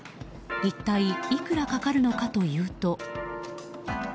一体いくらかかるのかというと。